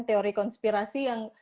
teori konspirasi yang